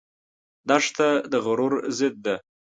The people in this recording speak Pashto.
دښته د غرور ضد ده.